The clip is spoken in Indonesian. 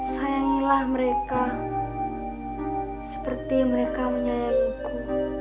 sayangilah mereka seperti mereka menyayangiku